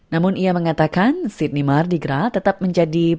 namun ia mengatakan sydney mardigra tetap menjadi